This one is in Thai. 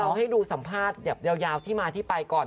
ให้ดูสัมภาษณ์แบบยาวที่มาที่ไปก่อน